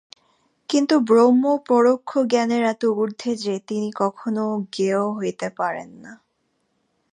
কিন্তু ব্রহ্ম পরোক্ষ-জ্ঞানের এত ঊর্ধ্বে যে, তিনি কখনও জ্ঞেয় হইতে পারেন না।